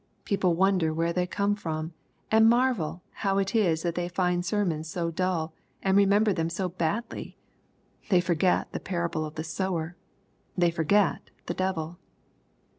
People wonder where they come from, and marvel how it is that they find sermons so dull, and remember them so badly 1 They forget the parable of the sower. They forget the devil.